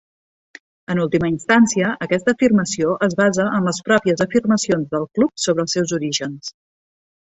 En última instància, aquesta afirmació es basa en les pròpies afirmacions del Club sobre els seus orígens.